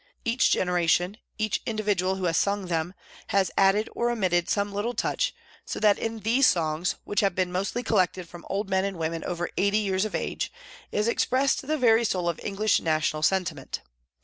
Each generation, each individual who has sung them, has added or omitted some little touch, so that in these songs, which have been mostly collected from old men and women over eighty years of age, is expressed the very soul of English national sentiment.